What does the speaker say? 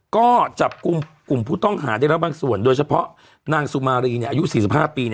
ก็จับกลุ่มกลุ่มผู้ต้องหาได้แล้วบางส่วนโดยเฉพาะนางสุมารีอายุ๔๕ปี